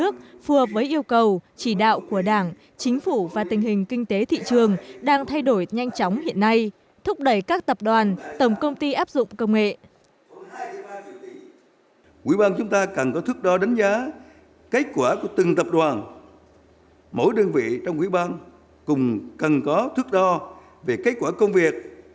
chỉ đạo của đảng chính phủ và tình hình kinh tế thị trường đang thay đổi nhanh chóng hiện nay thúc đẩy các tập đoàn tổng công ty áp dụng công nghệ